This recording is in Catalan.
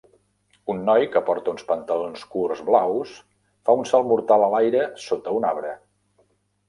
Un noi que porta uns pantalons curts blaus fa un salt mortal a l'aire sota un arbre.